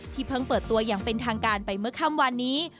เพิ่งเปิดตัวอย่างเป็นทางการไปเมื่อค่ำวันนี้